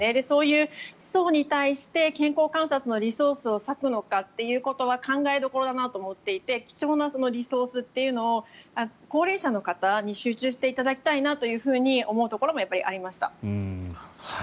そういう層に対して健康観察のリソースを割くのかということは考えどころだなと思っていて貴重なリソースというのを高齢者の方に集中していただきたいなと思うところもやっぱりありました。